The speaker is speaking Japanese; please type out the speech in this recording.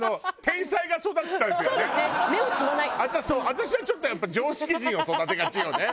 私はちょっとやっぱ常識人を育てがちよね